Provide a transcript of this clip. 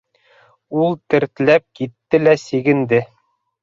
Ул тертләп китте лә сигенде.